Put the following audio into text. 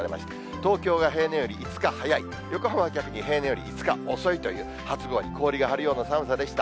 東京が平年より５日早い、横浜は逆に平年より５日遅いという初氷、氷が張るような寒さでした。